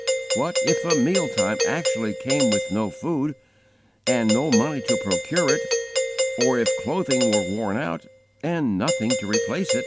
_ what, if a meal time actually came with no food, and no money to procure it; or if clothing were worn out, and nothing to replace it?